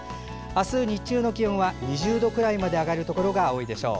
明日日中の気温は２０度くらいまで上がるところが多いでしょう。